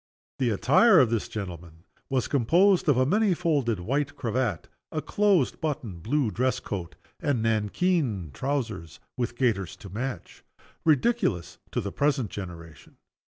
The attire of this gentleman was composed of a many folded white cravat, a close buttoned blue dress coat, and nankeen trousers with gaiters to match, ridiculous to the present generation.